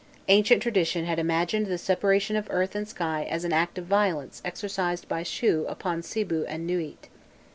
Ancient tradition had imagined the separation of earth and sky as an act of violence exercised by Shu upon Sibû and Nûît.